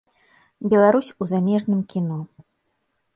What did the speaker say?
Беларусь у замежным кіно.